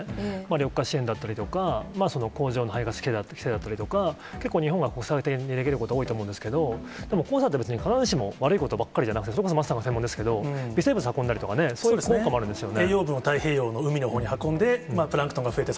緑化支援だったりとか、工場の排ガス規制だったりとか、結構、日本ができることって多いと思うんですけど、でも、黄砂って別に、必ずしも悪いことばっかりじゃなくて、それこそ、桝さんの専門ですけど、微生物運んだり、そういう効果もあるんですよね。